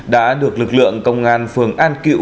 đã được lực lượng công an phường an cựu